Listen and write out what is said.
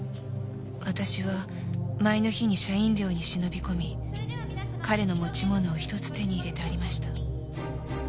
私は前の日に社員寮に忍び込み彼の持ち物を１つ手に入れてありました。